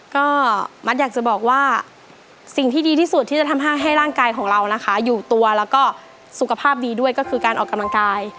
ก็มัดอยากจะบอกว่าสิ่งที่ดีที่สุดที่จะทำให้ให้ร่างกายของเรานะคะอยู่ตัวแล้วก็สุขภาพดีด้วยก็คือการออกกำลังกาย